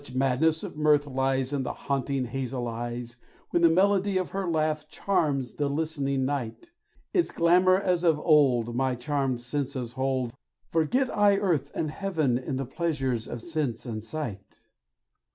Such madness of mirth lies In the haunting hazel eyes, When the melody of her laugh charms the listening night; Its glamour as of old My charmed senses hold, Forget I earth and heaven in the pleasures of sense and sight.